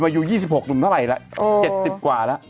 มายู๒๖หนุ่มเท่าไหร่ล่ะ๗๐กว่าล่ะ